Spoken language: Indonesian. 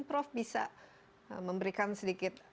prof bisa memberikan sedikit